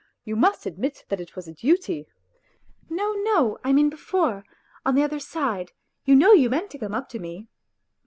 You must admit that it was a duty. ..."" No, no ; I mean before, on the other side you know you meant to come up to me."